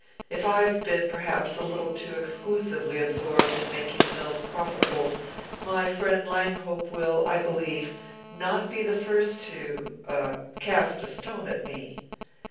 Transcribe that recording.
If I've been, perhaps, a little too exclusively absorbed in making the mills profitable, my friend Langhope will, I believe, not be the first to er cast a stone at me."